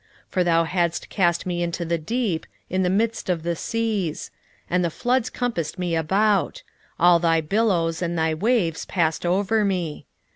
2:3 For thou hadst cast me into the deep, in the midst of the seas; and the floods compassed me about: all thy billows and thy waves passed over me.